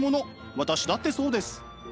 私だってそうです。